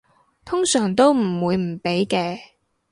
通常都唔會唔俾嘅